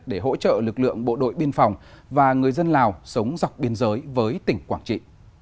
để hỗ trợ lực lượng bộ đội biên phòng và người dân lào sống dọc biên giới với tỉnh quảng trị